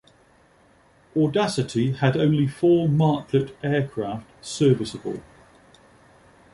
"Audacity" had only four Martlet aircraft serviceable.